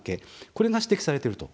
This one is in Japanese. これが指摘されてると。